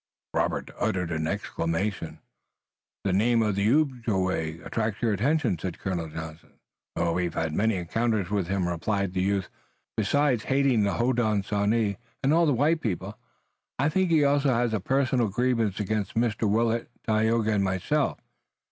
Robert uttered an exclamation. "The name of the Ojibway attracts your attention," said Colonel Johnson. "We've had many encounters with him," replied the youth. "Besides hating the Hodenosaunee and all the white people, I think he also has a personal grievance against Mr. Willet, Tayoga and myself.